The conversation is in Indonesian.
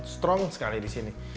strong sekali disini